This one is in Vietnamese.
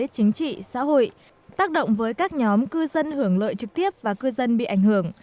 chính trị xã hội tác động với các nhóm cư dân hưởng lợi trực tiếp và cư dân bị ảnh hưởng